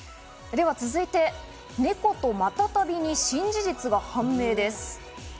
では続いて、猫とマタタビに新事実が判明です。